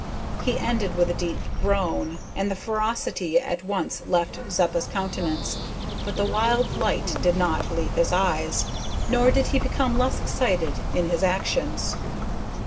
He ended with a deep groan, and the ferocity at once left Zeppa's countenance, but the wild light did not leave his eyes, nor did he become less excited in his actions.